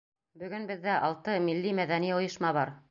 — Бөгөн беҙҙә алты милли-мәҙәни ойошма бар.